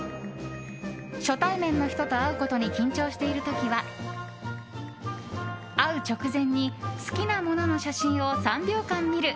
初対面の人と会うことに緊張している時は会う直前に好きなものの写真を３秒間見る！